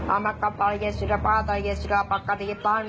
ออกไปออกไป